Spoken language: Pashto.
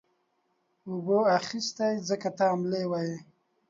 اوبو اخيستى ځگ ته املې وهي.